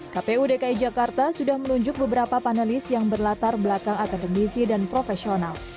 kpu dki jakarta sudah menunjuk beberapa panelis yang berlatar belakang akademisi dan profesional